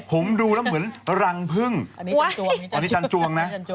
ผมดูแล้วเหมือนรังพึ่งอันนี้จันจวงนะ